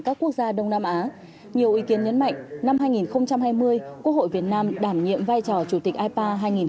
các quốc gia đông nam á nhiều ý kiến nhấn mạnh năm hai nghìn hai mươi quốc hội việt nam đảm nhiệm vai trò chủ tịch ipa hai nghìn hai mươi